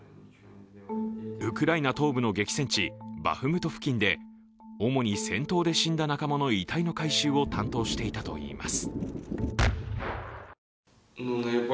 ウクライナ東部の激戦地バフムト付近で主に戦闘で死んだ仲間の遺体の回収を担当していたといいます。